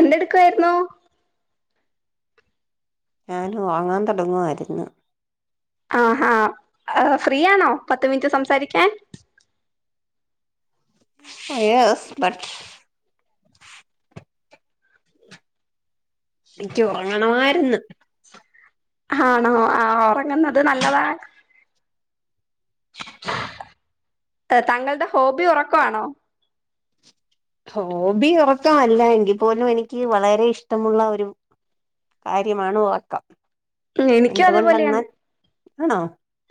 എന്തെടുക്കായിരുന്നു ഞാന് വാങ്ങാൻ തുടങ്ങുവാ യിരുന്നു ആഹാ ഫ്രീ ആണോ പത്ത് മിനിറ്റ് സംസാരിക്കാൻ ഒ യെസ് ബട്ട് ഇൻക്ക് ഉറങ്ങണമായിരുന്നു ഹാണോ ആ ഉറങ്ങുന്നത് നല്ലതാണ് ത താങ്കളുടെ ഹോബി ഉറക്കണോ ഹോബി ഉറക്ക വല്ല എങ്കി ൽ പോലും എനിക്ക് വളരെ ഇഷ്ടമുള്ള ഒരു കാര്യമാണ് ഉറക്കം. എന്തുകൊണ്ടെന്നാൽണോ?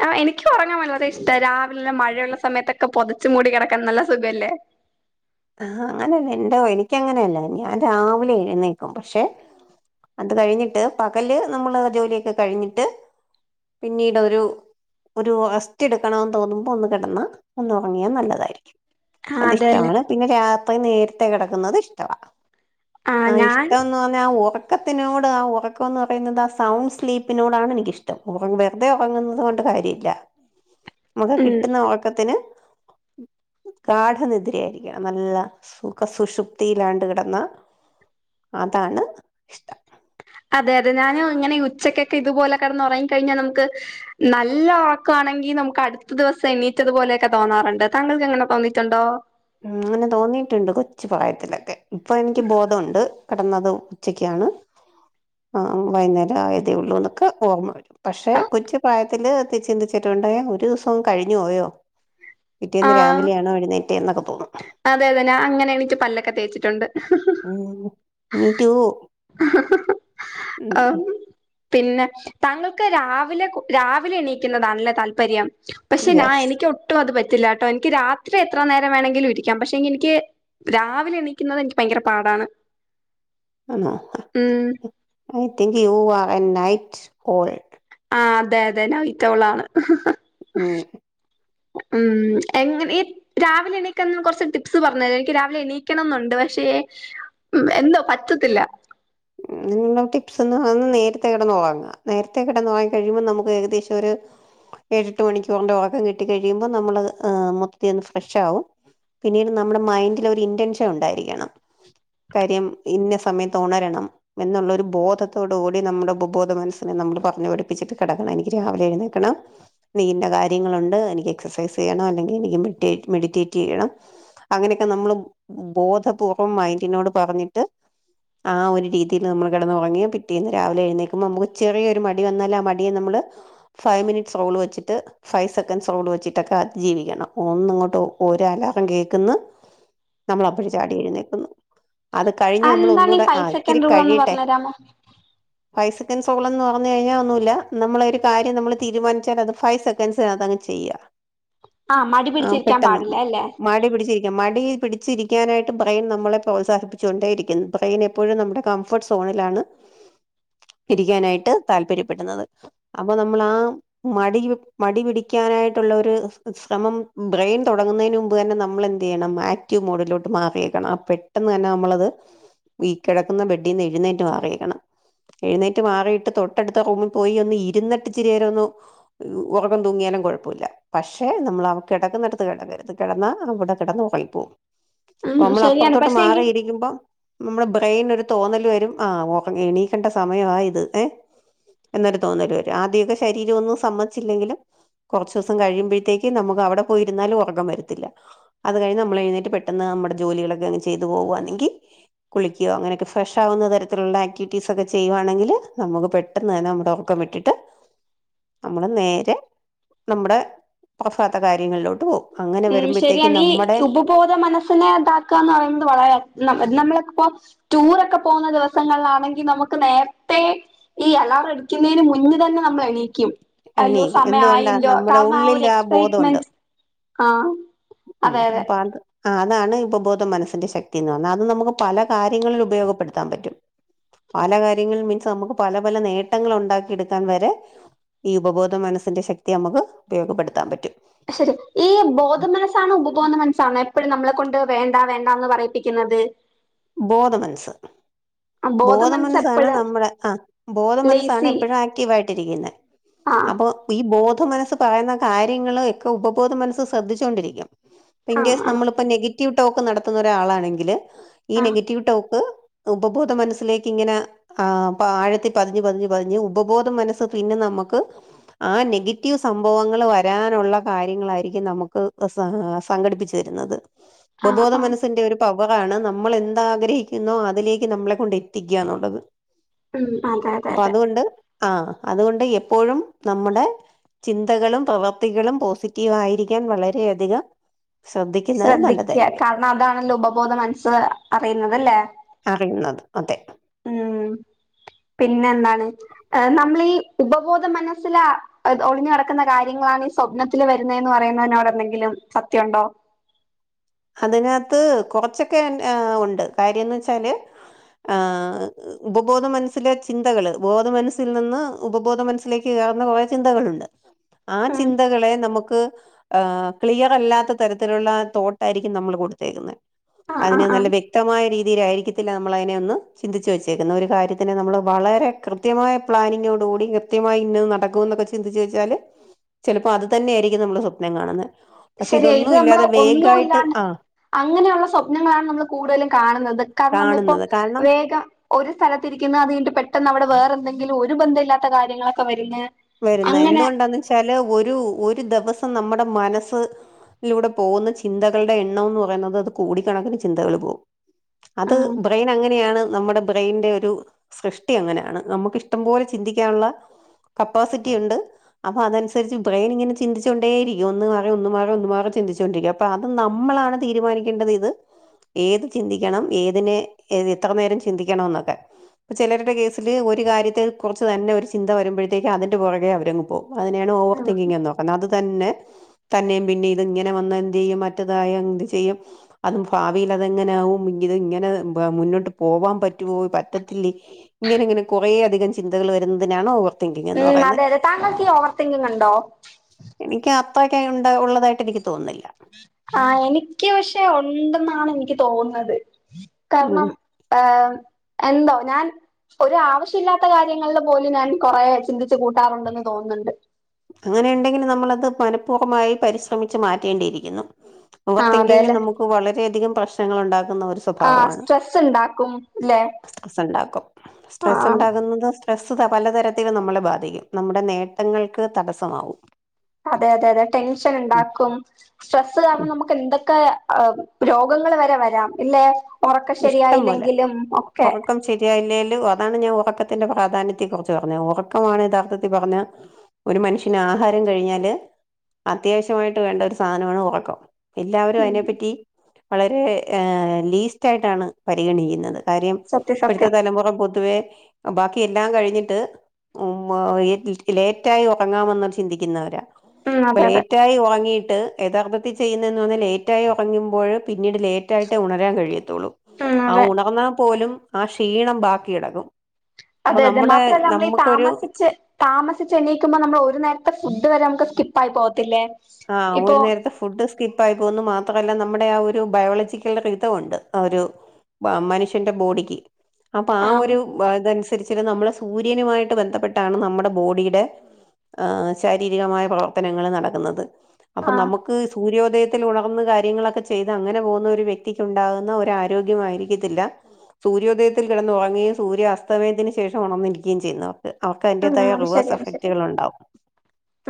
ആഹ് എനിക്ക് ഉറങ്ങാൻ വളരെ ഇഷ്ട രാവിലെമഴയുള്ള സമയത്തൊക്കെ പൊതച്ചു മൂടി കിടക്കാൻ നല്ല സുഖല്ലേ ആഹ അങ്ങനെയല്ല എന്തോ എനിക്കങ്ങനെയല്ല ഞാൻ രാവിലെ എഴുന്നേക്കും പക്ഷെ.. അത് കഴിഞ്ഞിട്ട് പകല് നമ്മളേജോലിയൊക്കെ കഴിഞ്ഞിട്ട് പിന്നീട് ഒരു ഒരു റസ്റ്റ് എടുക്കണോന്ന് തോന്നുമ്പോ ഒന്ന് കിടന്ന് ഒന്ന് ഉറങ്ങിയാൽ നല്ലതായിരിക്കും ആ അതി അതെല്ലേ ഷ്ടമാണ് പിന്നെ രാത്രി നേരത്തെേ കിടക്കുന്നത് ഇഷ്ടവ ആ ആഹ് ഞാൻ ഇഷ്ട്ടന്ന് പറഞ്ഞ ഒറ ക്കത്തിനോട് ആ ഉറക്കം ന്ന് പറയുന്നത് ആ സൗണ്ട് സ്ലീപ്പിനോടാണെനിക്കിഷ്ടം അത് ഉറങ്ങുന്നത് കൊണ്ട് കാര്യല്ല നമുക്ക് ഉം കിട്ടുന്ന ഉറക്കത്തിന് ഗാഡനിദ്യരയായി ക്കനല്ല സുഖ സുഷുപ്തിയിലാണ്ട് കിടന്ന് അതാണ് ഇഷ്ടം അതെ അതെ ഞാൻ ഇങ്ങനെ ഉച്ചക്കൊക്കെ ഇതുപോലെ കിടന്നുറങ്ങി കഴിഞ്ഞാൽ നമുക്ക് നല്ല ഉർക്കോണെങ്കി നമുക്ക് അടുത്ത ദിവസം എണീറ്റത്പോലെയൊക്കെ തോന്നാറുണ്ട് താങ്കൾക്ക് അങ്ങനെ തോന്നിയിട്ടുണ്ടോ അങ്ങനെ തോന്നിയിട്ടുണ്ട് കൊച്ചുപ്രായത്തിലൊക്കെ ഇപ്പൊ എനിക്ക് ബോധുണ്ട് കിടന്നതും ഉച്ചക്കാണ് ആ വൈന്നേരം ആയത് ഉള്ളൂ എന്നൊക്കെ ഓർമ്മ വരും പക്ഷെ കൊചു പ്രായത്തില് ചിന്തിച്ചിട്ടുണ്ട് ഒരു ദിവസവും കഴിഞ്ഞു പോയോ ആ പിറ്റേന്ന് രാവിലെയാണോ എഴുനേറ്റ എന്നൊക്കെ തോന്നും അതെ അതെ ഞാ അങ്ങനെ എണീട്ട് പല്ലൊക്കെ തേച്ചിട്ടുണ്ട് മീ ടു ഹ ഹ ഹ ആം പിന്നെ താങ്കൾക്ക് രാവിലെ രാവിലെ എണീക്കുന്നതാണല്ലേ താല്പര്യം പക്ഷെ ഞാ എനിക്ക് ഒട്ടും അത് പറ്റില്ല കേട്ടോ എനിക്ക് രാത്രി എത്ര നേരം വേണങ്കിലും ഇരിക്കാം പക്ഷെ എനിക്ക് രാവിലെ എണിക്കുന്നത് എനിക്ക് ഭയങ്കര പാടാണ് ആണോ ഉം I think you are an night owl ആ അതെ അതെ നൈറ്റോളാണ് ഉം ഉം എങ്ങന ഇ രാവിലെ എണീക്കാൻ കുറച്ച് ടിപ്സ് പറഞ്ഞരു എനിക്ക് രാവിലെ എണീക്കണംന്നുണ്ട് പക്ഷെ മ്മ് എന്തോ പറ്റത്തില്ല ങ്ങൾ ടിപ്സ് എന്ന് പറഞ്ഞ നേരത്തെ കിടന്നുഉറങ്ങാ നേരത്തെ കിടന്നുഉറങ്ങി കഴിയുമ്പോൾ നമുക്ക് ഏകദേശം ഒരു ഏട്ട് മണിക്കൂന്റെ ഉറകം കിട്ടി കഴിയുമ്പോ നമ്മള് ഉഹ് മൊത്ത ത്തിലിന്ന് ഫ്രഷ ആവും പിന്നീട് നമ്മുടെ മൈൻഡില് ഒരു ഇന്റൻഷൻ ഉണ്ടായിരിക്കണം കാര്യം ഇന്ന സമയത്ത് ഉണരണം എന്നുള്ളൊരു ബോധത്തോടുകൂടി നമ്മുടെ ഉപബോധ മനസ്സിനെ നമ്മൾ പറഞ്ഞു പഠിപ്പിച്ചിട്ട് കിടക്കണം എനിക്ക് രാവിലെ എഴുന്നേക്കണം നീന്ന കാര്യങ്ങളുണ്ട് എനിക്ക് എക്സർസൈസ് ചെയ്യണം അല്ലെങ്കിൽ എനിക്ക് മെഡിറ്റേറ്റ് ചെയ്യണം അങ്ങനെയൊക്കെ നമ്മൾ ബോധപൂർവം മൈൻണ്ടിനോടു പറഞ്ഞിട്ട് ആ ഒരു രീതി തിന്ന് നമ്മൾ കിടന്നുറങ്ങി പിറ്റേന് രാവിലെ എഴുനേൽക്കുമ്പോ നുക്ക് ചെറിയ ഒരു മടി വന്നാൽ ആ മടിയെ നമ്മള് ഫൈവ് മിനിറ്റ്സ് സോൾ വെച്ചിട്ട് ഫൈവ് സെക്കൻഡ്സ് റോൾ വെച്ചിട്ടൊക്കെ അത് ജീവിക്കണം ഒന്നങ്ങോട്ട് ഒരു അലാറം കേൾക്കുന്ന് നമ്മൾ അപ്പോയെ ചാടി എഴുന്നേൽക്കുന്നു അത് കഴിഞ്ഞ് നമ്മൾ എന്താണ് ഈ ഒന്നുകൂടെ ഫൈവ് ആയി ത്തിരി സെക്കൻഡ് റൂൾ ഒന്ന് കഴിയട്ടെ പറഞ്ഞ് തരാമോ ഫൈവ് സെക്കൻസ് സോളെന്ന് പറഞ്ഞു കഴിഞ്ഞാ ഒന്നുല്ല നമ്മളെ ഒരു കാര്യം നമ്മള് തീരുമാനിച്ചാ അത് ഫൈവ് സെക്കൻഡ്സിനാത്ത് അങ്ങ് ചെയ്യ അഹ് മടി പിടിച്ചിരിക്കാൻ പാടില്ല അല്ലേ മടി പിടിച്ചിരി മടി പിടിച്ചിരിക്കാനായിട്ട് ബ്രെയിൻ നമ്മളെ പ്രോത്സാഹിപ്പിച്ചുകൊണ്ടേ ഇരിക്കുന്നു ബ്രെയിൻ എപ്പോഴും നമ്മുടെ കംഫർട്ട് സോണിലാണ് ഇരിക്കാനായിട്ട് താല്പര്യപ്പെടുന്നത്. അപ്പൊ നമ്മള ആ മടി മടി പിടിക്കാനായിട്ടുള്ള ഒരു ശ്രമം ബ്രെയിൻ തുടങ്ങുന്നതിന് മുമ്പ് തന്നെ നമ്മൾ എ എന്ത്ചെയ ണം ആക്റ്റിവ് മോഡിലോട്ട് മാറിയേക്കണം പെട്ടെന്ന് തന്നെ നമ്മളത് ഈ കി... ക്കുന്ന ബെഡീന്ന് എഴുന്നേറ്റ്മാറയിക്കണം എഴുന്നേറ്റ് മാറിയിട്ട് തൊട്ടടുത്തുമ്പ് റൂം പോയി ഒന്ന് ഇരുന്നട്ട് ഇചിരിരൊന്ന് ഉറക്കം തൂങ്ങിയാലും കുഴപ്പില്ല പക്ഷെ നമ്മൾ അവ കിടക്കുന്നിടുത്ത് കിടകരുത് കിടക്കുന്നിടുത്ത് കിടന്നാ അവിടെ കിടന്ന് ഒറങ്ങി പോവും ഉം നമ്മള് ശരിയാണ് അപ്പുറത്തോട്ട് പക്ഷെ എങ്കിൽ മാറിയിരിക്കുമ്പോ നമ്മുടെ ബ്രെയിൻ ഒരു തോന്നൽ വരും ആ ഒറങ്ങി എണീക്കേണ്ട സമയ ആ ഇത് ഏ എന്നൊരു തോന്നല് വരും ആദ്യമൊകെ ശരീരം ഒന്നും സമ്മച്ചില്ലെങ്കിലും കുറച്ചുസം കഴിയുമ്പോഴത്തേക്ക് നമുക്ക് അവടെ പോയിരുന്നാലും ഒറക്കം വരത്തില്ല. അത് കഴിഞ് നമ്മള് എഴുന്നേറ്റ് പെട്ടെന്ന് നമ്മുടെ ജോലികളൊക്കെങ്ങനെ ചെയ്ത് പോവാണെങ്കി കുളിക്ക്യോ അങ്ങനെക്കെ.. ഫ്രഷാകുന്ന തരത്തിലുള്ള ആക്ടിവിറ്റീസൊക്കെ ചെയ്യുവാണെങ്കില് നമുക്ക് പെട്ടെന്ന് തന്നെ നമ്മുടെ ഉറക്കംവിട്ടിട്ട് നമ്മള് നേരെ നമ്മുടെ [unintelligible] കാര്യങ്ങൾലോട്ട് പോവും അങ്ങനെ വരുമ്പോഴത്തേക്കും നമ്മുടെ പോതെ മനസ്സിനെ ഇതാക്കാന്ന് പറയുന്നത് വളരെ നമ്മളിപ്പോ ടൂറൊക്കെ പോകുന്ന ദിവസങ്ങൾലാണെങ്കി നമുക്ക് നേര്ത്തെ ഈ അലാർ അടിക്ക്‌ന്നേന് മുന്ന് തന്നെ നമ്മളെണീക്കും അയ്യോ എണീക്കും സമയ എന്തുകൊണ്ടാ ആയല്ലോ നമ്മുടെ കാരണം ആ ഉള്ളിൽ ഒരു ബോധമുണ്ട് എക്സൈറ്റ്മെന്റ് ആഹ് ഉം അതെ അതെ പ്പാണ്ട് ആ അതാണ് ഉപബോധ മനസ്സിന്റെ ശക്തി എന്ന് പറഞ്ഞാ അത് നമുക്ക് പല കാര്യങ്ങളിൽ ഉപയോഗപ്പെടുത്താം പറ്റും പല കാര്യങ്ങളൾ മീൻസ് നമുക്ക് പല പല നേട്ടങ്ങൾ ഉണ്ടാക്കി എടുക്കാൻ വരെ ഈ ഉപബോധ മനസ്സിന്റെ ശക്തി നമുക്ക് ഉപയോഗപ്പെടുത്താൻ പറ്റും ഈ ബോധ മനസ്സാണോ ഉപബോധ മനസ്സാണോ എപ്പഴും നമ്മളെ കൊണ്ട് വേണ്ട വേണ്ടാന്ന് പറയിപ്പിക്കുന്നത് [inaudible] ബോധ മൻസ് ബോധ മനസ്സ് ബോധമനസ്സാണ് എപ്പഴാ നമ്മുടെ ആ ബോധമനസ്സാണ് ലേസി എപ്പഴും ആക്റ്റീവ് ആയിട്ടിരിക്കുന്ന ആഹ് അപ്പോ ഈ ബോധ മനസ്സ് പറയുന്ന കാര്യങ്ങള് ഒക്കെ ഉപബോധ മനസ്സ് ശ്രദ്ധിച്ചോണ്ടിരിക്കും ആഹ് ഇൻകെസ് ആഹ് നമ്മള്പ്പ നെഗറ്റീവ് ടോക്ക് നടത്തുന്ന ഒരാളാണെങ്കില് ഈ ആഹ് നെഗറ്റീവ് ടോക്ക് ഉപബോധ മനസ്സിലേക്ക് ഇങ്ങനെ ആ അപ്പ ആഴത്തി പതിഞ്ഞ് പതിഞ്ഞ് പതിഞ്ഞ് ഉപബോധം മനസ്സ് പിന്നെ നമുക്ക് ആ നെഗറ്റീവ് സംഭവങ്ങൾ വരാനുള്ള കാര്യങ്ങളായിരിക്കും നമുക്ക് സാ സംഘടിപ്പിച്ചു തരുന്നത് [inaudible] ഉപബോധ ആഹ് മനസ്സിന്റെ ഒരു പവറാണ് ന നമ്മള് എന്താഗ്രഹിക്കുന്നോ അതിലേക്ക് നമ്മളെ കൊണ്ട് എത്തിക്കാന്നുള്ളത് ഉം അതെ അതെ പ്പൊ. അതെ അതുകൊണ്ട് ആഹ് അതുകൊണ്ട് എപ്പോഴും നമ്മുടെ ചിന്തകളും പ്രവർത്തികളും പോസിറ്റീവ് ആയിരിക്കാൻ വളരെയധികം ശ്രദ്ധിക്കുന്നത് നല്ലതായിരിക്കും ന്ന അതാണല്ലോ ഉപബോധ മനസ്സ് അറിയുന്നത് ല്ലെ അറിയുന്നത് അതെ ഉം പിന്നെ എന്താണ് നമ്മളീ ഉപബോധ മനസ്സില ഒളിഞ് കടക്കുന്ന കാര്യങ്ങളാണ് ഈ സ്വപ്നത്തില് വരുന്നെന്ന് പറയുന്നതിനോട് എന്തെങ്കിലും സത്യമുണ്ടോ അതിനകത്ത് കുറച്ചൊക്കെ ഉണ്ട് കാര്യംന്ന് വെച്ചാല് ആ ഉപബോധ മനസ്സിലെ ചിന്തകൾ ബോധ മനസ്സിൽ നിന്ന് ഉപബോധ മനസ്സിലേക്ക് കേറൂന്ന കുറെ ചിന്തകളുണ്ട്. ആ ഉം ചിന്തകളെ നമുക്ക് ഏ ക്ലിയറല്ലാത്ത തരത്തിലുള്ള തോട്ട തായിരിക്കും നമ്മൾ കൊടുത്തേക്കുന്ന. ആഹ് അതിന് ആഹ് നല്ല ആഹ് വെ വ്യക്തമായ രീതിയിലായിരിക്കത്തില്ല നമ്മളയ്നെ ഒന്ന് ചിന്തിച്ച് വെച്ചേക്കുന്നെ ഒരു കാര്യത്തിന് നമ്മള് വളരെ കൃത്യമായ പ്ലാനിങ്ങോടുകൂടി കൃത്യമായി ഇന്നത് നടക്കുന്നൊക്കെ ചിന്തിച്ച് വെച്ചാല് ചെലപ്പോ അത് തന്നെയായിരിക്കും നമ്മള് സ്വപ്നം കാണുന്നെ ശെരിയ ഇത് നമ്മളെ ഒന്നും കാണ്ണ് അങ്ങനെയുള്ള സ്വപ്നങ്ങളാണ് നമ്മൾ കൂടുതലും കാണുന്നത് കര്ണം നമ്മളിപ്പോ കാണുന്നത് കാരണം വേഗം ഒരു സ്ഥലത്തിരിക്കുന്നു അത് കയ്ഞ്ട്ട് പെട്ടെന്ന് അവ്ടെ വേറെന്തെങ്കിലും ഒരു ബന്ധം ഇല്ലാത്ത കാര്യങ്ങളൊക്കെ വര്ന്ന് വരുന്ന എന്തുകൊണ്ടാന്ന് വെച്ചാല് ഒരു ഒരു ദിവസം നമ്മുടെ മനസ്സ് ലൂടെ പോവുന്ന ചിന്തകളുടെ എണ്ണം എന്ന് പറയുന്നത് അത് കൊടിക്കണക്കിന് ചിന്തകള് പോവും. അത് ഉം ബ്രെയിന് അങ്ങനെയാണ് നമ്മടെ ബ്രെന്റെ ഒരു സൃഷ്ടി അങ്ങനാണ് നമുക്കിഷ്ടം പോലെ ചിന്തിക്കാനുള്ള കപ്പാസിറ്റിയുണ്ട് അപ്പൊ അതൻസരിച്ച് ബ്രയ്നിങ്ങന ചിന്തിച്ചൊണ്ടേയിരിക്കും ഒന്ന് മാറോ ഒന്ന് മാറോ ഒന്ന് മാറോ ചിന്തിച്ചോണ്ട് രിക്കും അപ്പൊ അത് നമ്മളാണ് തീരുമാനിക്കേണ്ടതിത് ഏത് ചിന്തിക്കണം ഏതിനെ എത്ര നേരം ചിന്തിക്കണംന്നൊക്കെ ചെലരുടെ കേസില് ഒരു കാര്യത്തെ കുറച്ച് തന്നെ ഒരു ചിന്ത വരുമ്പോഴ് ത്തേക്ക് അതിന്റെ പൊറകെ അവരങ്ങ് പോകും അതിനെയാണ് ഓവർ തിങ്കിങ്ങെന്ന് പറന്നത്. അത് തന്നെ തന്നെയും പിന്നെ ഇത്ങ്ങനെ വന്ന എന്ത്ചെയ്യും മറ്റേതായ എന്ത് ചെയ്യും അതും ഭാവിലതെങ്ങനെയകും ഇത് ഇങ്ങനെ മുന്നോട്ട് പോവാം പറ്റുവോ പറ്റത്തില്ലേ ഇങ്ങനെങ്ങനെ കുറേ അധികം ചിന്തകൾ വരുന്നതിനാണ് ഓവർതി ഉം അതെ അതെ താങ്കൾക്കീ ഓവർ തിങ്കിങ് ഉണ്ടോ? എനിക്ക് അത്രയൊക്കെ ഉണ്ട ഉള്ളതായിട്ട് എനിക്ക് തോന്നുന്നില്ല ആഹ് എനിക്ക് പക്ഷെ ഉണ്ടെന്നാണ് എനിക്ക് തോന്നുന്നത് ഉം കാരണം ഏഹ് എന്തോ ഞാൻ ഒരാവശ്യമില്ലാത്ത കാര്യങ്ങള്പോലും ഞാൻ കൊറെ ചിന്തിച്ചു കൂട്ടാറുണ്ടെന്ന് തോന്നുന്നുണ്ട്. അങ്ങനെയുണ്ടെങ്കില് നമ്മളത് മനഃപൂർവമായി പരിശ്രമിച്ചു മാറ്റേണ്ടിയിരിക്കുന്നു ഓവർ ആഹ് തിങ്കിംങ് അതെല്ലെ നമുക്ക് വളരെയധികം പ്രശ്നങ്ങൾ ഉണ്ടാക്കുന്ന ഒരു ആഹ് സ്വഭാവ്വാണ് സ്ട്രെസ്സ് ഉണ്ടാക്കും ല്ലെ സ്ട്രെസ്സ്ണ്ടാക്കും. സ്ട്രെസ്സ് ആഹ് ണ്ടാക്ക്ന്നത് സ്ട്രെസ്സ്താ പലതരത്തിൽ നമ്മളെ ബാധിക്കും. നമ്മുടെ നേട്ടങ്ങൾക്ക് തടസ്സമാവും അതെ അതെ അതെ ഉം ടെൻഷന്ണ്ടാക്കും സ്ട്രെസ്സ് ഉം കാരണം നമുക്ക് എന്തെക്കെ രോഗങ്ങൾ വരെ വരാം ഇല്ലെ? ഒറക്കം ശെരിയായില്ലെങ്കിലും ഒക്കെ യില്ലേലും അതാണ് ഞാൻ ഉറക്കത്തിന്റെ പ്രാധാന്യത്തെ കുറിച്ച് പറഞ്ഞത് ഉറക്കമാണെ യഥാർത്ഥത്തി പറഞ്ഞ ഒരു മനുഷ്യന് ആഹാരം കഴിഞ്ഞാല് അത്യാവശ്യമായിട്ട് വേണ്ട ഒരു സാനവാണ് ഒറക്കം എല്ലാവരും ഉം അയ്നെപ്പറ്റി വളരെ ലീസ്റ്റായിട്ടാണ് പരിഗണിക്കുന്നത്. കാര്യം സത്യം ഇപ്പഴ്ത്തെ സത്യം തലമുറ പൊതുവെ ബാക്കി എല്ലാം കഴിഞ്ഞിട്ട് ഉം ലേറ്റായി ഉറങ്ങാമെന്ന് ചിന്തിക്കുന്നവരാ ഉം അപ്പൊ അതെ അതെ ലേറ്റായി ഉറങ്ങിട്ട് യഥാർത്ഥത്തിൽ ചെയ്യുന്നതെന്ന് ലേറ്റായി ഉറങ്ങുമ്പോഴ് പിന്നീട് ലേറ്റായിട്ടെ ഉണരാൻ കഴിയത്തുള്ളൂ ഉം അതെ ആഹ് ഉണർന്നാ പോലും ആ ക്ഷീണം ബാക്കികിടക്കും അതെ അതെ മാത്രല്ല നമ്മളീ താമസിച്ച് താമസിച്ച് എണീക്കുമ്പോ നമ്മൾ ഒരു നേരത്തെ ഫുഡ് വരെ നമുക്ക് സ്കിപ്പായി പോവത്തില്ലേ ആഹ് ഇപ്പോ ഒരു നേരത്തെ ഫു ഫുഡ് സ്കിപ്പായി പോകുന്നു മാത്രല്ല നമ്മുടെ ആഹ് ഒരു ബയോളജിക്കൽ റിതംണ്ട് ആഹ് ഒരു വാ മനുഷ്യന്റെ ബോഡിക്ക് അപ്പൊ ആ ആഹ് ഒരു [unintelligible] നുസരിച്ചിട്ട നമ്മളെ സൂര്യനുമായിട്ട് ബന്ധപ്പെട്ടാണ് നമ്മുടെ ബോഡിടെ ആഹ് ശാരീരികമായ പ്രവർത്തനങ്ങൾ നടക്കുന്നത് അപ്പൊ ആഹ് നമുക്ക് സൂര്യോദയത്തിൽ ഉണർന്ന് കാര്യങ്ങളൊക്കെ ചെയ്ത് അങ്ങനെ പോകുന്ന ഒരു വ്യക്തിക്ക് ഉണ്ടാകുന്ന ഒരാരോഗ്യമായിരിക്കത്തില്ല സൂര്യോദയത്തിൽ കിടന്നുറങ്ങുകയും സൂര്യ അസ്തമയത്തിന് ശേഷം ഉണർന്നിരികയും ചെയ്യുന്നവർ അവർക്ക് ഉം അതിന്റേതായ അത് റിവേഴ്സ് ശരിയാണ് ശരി എഫക്റ്റുകൾണ്ടാവും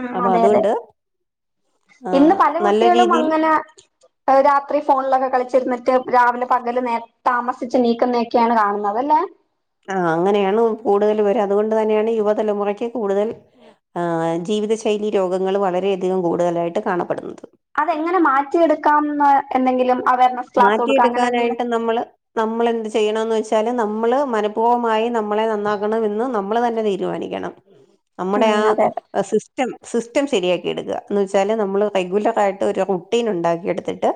ഉം അപ്പൊ അതെ അതെ അതുകൊണ്ട് ആ, ഇന്ന് പല നല്ല കുട്ടികളും രീതിയിൽ അങ്ങന അവര് രാത്രി ഫോൺലൊക്കെ കളിച്ചിരുന്നിട്ട് രാവിലെ പകല് നേര താമസിച്ച് എണീക്കുന്നെക്യാണ് കാണ്ന്നത് ലേ ആ അങ്ങനെണ് കൂട്തല് പേര് അതുകൊണ്ട് തന്നെണ് യുവതലമുറക്ക് കൂടുതല് ജീവിതശൈലി രോഗങ്ങള് വളരെയധികം കൂട്തലായിട്ട് കാണപ്പെട്ന്നത് അതെങ്ങനെ മാറ്റിയെട്ക്കാംന്ന് എന്തെങ്കിലും അവേർനെസ്‌ മാറ്റിട്ക്കാനായിട്ട് നമ്മള് നമ്മളെന്ത് ചെയ്യണന്ന് വെച്ചാല് നമ്മള് മനഃപൂവ്വമായി നമ്മളെ നന്നാക്കണമെന്ന് നമ്മള് തന്നെ തീര്മാനിക്കണം [inaudible] അമ്മടെ ആ അതെ അതെ സിസ് സ്റ്റം സിസ്റ്റം ശെരിയാക്കി എട്ക്കാ ന്ന് ച്ചാല് നമ്മള് റെഗുലറായിട്ട് ഒരു റുട്ടീനുണ്ടാക്കിഎട്ത്തിട്ട്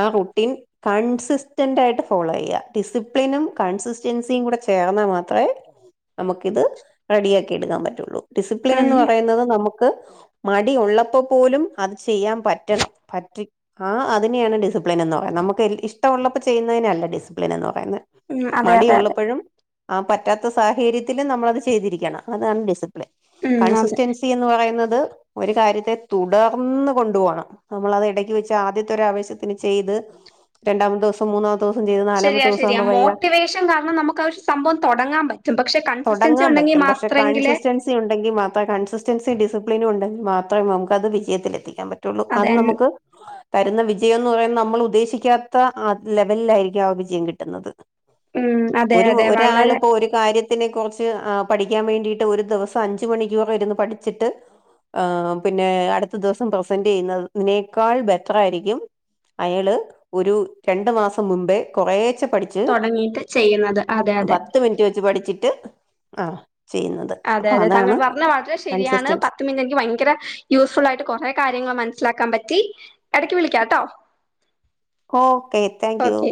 ആ റു ടിൻ കൺസിസ്റ്റന്റ്യിട്ട് ഫോളോയ്യ ഡിസിപ്ലിനും കൺസിസ്റ്റൻസി കൂടെ ചേർന്നാ മാത്രേ നമുക്കിത് റെഡിയാക്കി എടുക്കാം പറ്റൊള്ളൂ ഡിസിപ്ലിൻ ഉം എന്ന് പറയുന്നത് നമു ക്ക് മടി ഉള്ളപ്പോ പോലും അത് ചെയ്യാം പറ്റണം പറ്റി ആഹ് അതെന്നെയാണ് ഡിസിപ്ലിൻ എന്നോ പെ നമുക്ക് എനിക്ക് ഇഷ്ടമുള്ളപ്പോ ചെയ്യുന്നതിനേയല്ല ഡിസിപ്ലിൻ എന്ന് പറയുന്നെ ഉം അതെ അതെ അതെ മടിയുള്ളപ്പഴും ആ പറ്റാത്ത സാഹേര്യത്തിലും നമ്മളത് ചെയ്തിരിക്കണം അതാണ് ഡിസിപ്ലിൻ ഉം അതെ കൺസെസ്റ്റൻസി തി എന്ന് പറയുന്നത് ഒര് കാര്യത്തെ തുടർന്ന് കൊണ്ട് പോണം നമ്മളത് എടക്ക് വെച്ച് ആദ്യത്തെ ഒരാവേശ്യത്തിന് ചെയ്ത് രണ്ടാമത്തൂസം ഇപ്പൊ മൂന്നമത്തോസം ചെയ്തതാ ശെരിയാ ശെരിയാ മോട്ടിവേഷം കാർണം നമുക്ക് ആ ഒരു സംഭവം തൊടങ്ങാപ റ്റും പക്ഷെ കൺസിസ്റ്റൻസി ഒണ്ടെങ്കി മാത്രെങ്കിലെ സി ഉണ്ടെങ്കി മാത്രേ കൺസിസ്റ്റൻസി ഡിസിപ്ലിനുണ്ടെങ്കി മാത്രേ നമുക്കത് വിജയത്തിലെത്തിക്കാൻ പ റ്റൊള്ളു അതെ കാരണം നമക്ക് തര്ന്ന വിജയംന്ന് പറയ്ന്ന നമ്മള് ഉദ്ദേശീ തിക്കാത്ത ആ ലെവല്‌ലായിരിക്കും ആ വിജയം കിട്ട്ന്നത് ഉം അതെ ഒര് അതെ വളരെ ഒരാള്പ്പോ ഒരു കാര്യത് ഇതിനെ കുറ്ച്ച് ആ പഠിക്ക്യാൻ വേണ്ടിട്ട് ഒരു ദിവസം അഞ്ച് മണിക്കുർ ഇര്ന്ന് പഠിച്ചിട്ട് ആ പിന്നെ അട്ത്ത ദിവസം പ്രസന്റയ്ന്നതിനേക്കാൾ ബെറ്ററായിരിക്കും അയള് ഒരു രണ്ടു മാസം മുമ്പേ കൊറേച്ചെ പടി ച്ച് തൊടങ്ങിയിട്ട് ചെയ്യുന്നത് അതെ അതെ പത്ത് മിൻറ്റ് വെച്ച് പഠിച്ചിട്ട് ആ ചിയ്യ്ന്നത് അതെ അതെ താങ്കൾ പറഞ്ഞ വാക്ക് ശെരിയാണ് പത്ത് മിൻറ്റ് എൻക്ക് ഭയങ്കര യൂസ്ഫുള്ളായിട്ട് കൊറെ കാര്യങ്ങൾ മനസ്സിലാക്കാം പറ്റി എടക്ക് വിളിക്കാട്ടോ ഓക്കേ താങ്ക് യൂ ഓക്കെ